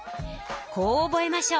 こう覚えましょう。